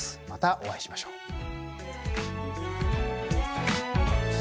またお会いしましょう。